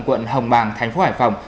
quận hồng màng thành phố hải phòng